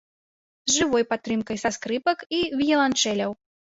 З жывой падтрымкай са скрыпак і віяланчэляў.